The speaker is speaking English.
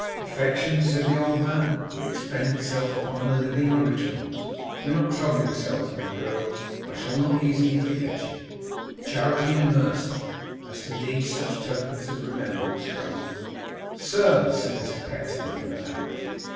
'Affection,' said the old man, 'will expend itself on the living originals. Do not trouble yourselves, my girls, I shall not so easily forget you, Charity and Mercy, as to need such tokens of remembrance. Cousin!' 'Sir!' said Mr Pecksniff, with alacrity.